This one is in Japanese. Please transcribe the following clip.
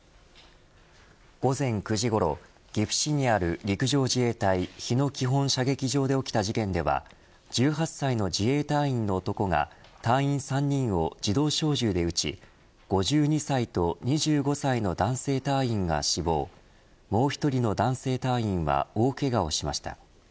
午前９時ごろ岐阜市にある陸上自衛隊日野基本射撃場で起きた事件では１８歳の自衛隊員の男が隊員３人を、自動小銃で撃ち５２歳と２５歳の男性隊員が死亡もう１人の男性隊員は大けがをしました。